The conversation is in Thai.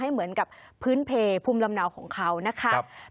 เหมือนกับพื้นเพลภูมิลำเนาของเขานะครับ